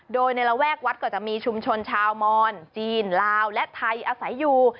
โดยในระแวกวัดก็จะมีชุมชนชาวมอนจีนลาวและไทยอาศัยอยู่